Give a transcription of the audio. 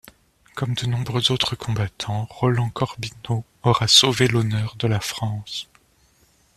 Comme de nombreux autres combattants, Roland Corbineau aura sauvé l'honneur de la France.